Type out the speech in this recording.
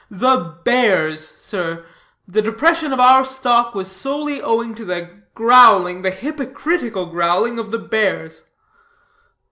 The 'bears,' sir. The depression of our stock was solely owing to the growling, the hypocritical growling, of the bears."